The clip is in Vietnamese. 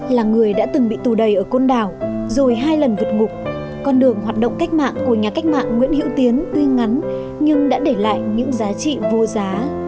là người đã từng bị tù đầy ở côn đảo rồi hai lần vượt ngục con đường hoạt động cách mạng của nhà cách mạng nguyễn hữu tiến tuy ngắn nhưng đã để lại những giá trị vô giá